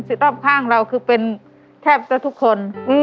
สิทธิ์รอบข้างเราคือเป็นแทบแต่ทุกคน